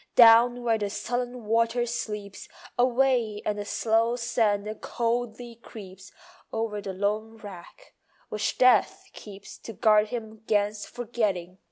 Down where the sullen water sleeps Alway and the slow sand coldly creeps Over the lone wreck, which Death keeps To guard him 'gainst forgetting.